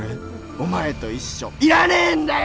お前と一緒いらねえんだよ！